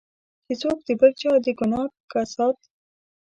چې څوک د بل چا د ګناه کسات.